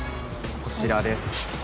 こちらです。